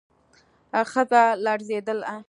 ښځه لړزېده.